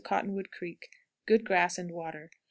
Cottonwood Creek. Good grass and water.